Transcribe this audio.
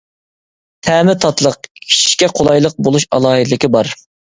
تەمى تاتلىق، ئىچىشكە قولايلىق بولۇش ئالاھىدىلىكى بار.